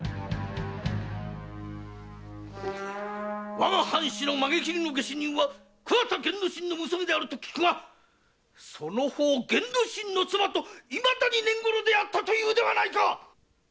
我が藩士の髷切りの下手人は桑田源之進の娘であると聞くがその方源之進の妻といまだにねんごろであったそうだな‼